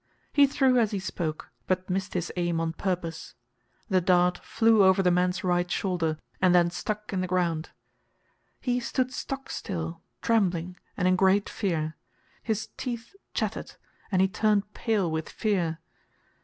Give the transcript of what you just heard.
He threw as he spoke, but missed his aim on purpose. The dart flew over the man's right shoulder, and then stuck in the ground. He stood stock still, trembling and in great fear; his teeth chattered, and he turned pale with fear.